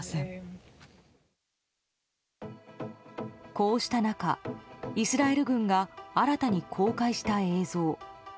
こうした中イスラエル軍が新たに公開した映像。